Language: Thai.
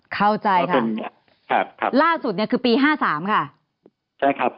เข้าใจค่ะล่าสุดเนี่ยคือปี๕๓ค่ะ